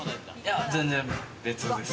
全然別です。